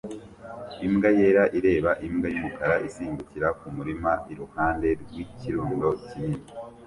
Imbwa yera ireba imbwa yumukara isimbukira kumurima iruhande rwikirundo kinini